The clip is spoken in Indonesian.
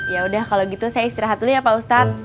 ya udah kalau gitu saya istirahat dulu ya pak ustadz